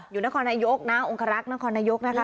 อยู่นครนโยกนะองค์กระรักษ์นครนโยกนะคะ